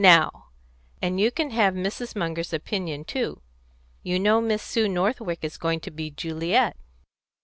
Now! And you can have Mrs. Munger's opinion too. You know Miss Sue Northwick is going to be Juliet?"